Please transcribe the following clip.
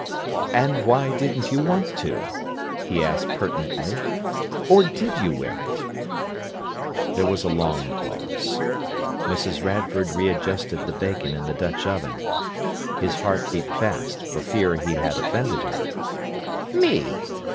"And why didn't you want to?" he asked pertinently. "Or did you wear it?" There was a long pause. Mrs. Radford readjusted the bacon in the Dutch oven. His heart beat fast, for fear he had offended her. "Me!"